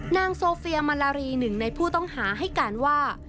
นางโซเฟียมาลารีหนึ่งในผู้ต้องหาให้การว่า